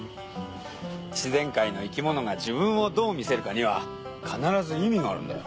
自然界の生き物が自分をどう見せるかには必ず意味があるんだよ。